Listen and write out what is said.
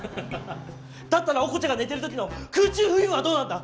だったらオコチャが寝てる時の空中浮遊はどうなんだ？